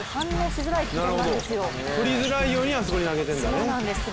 取りづらいようにあそこに上げているんですね。